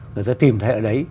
người ta tìm thấy ở đấy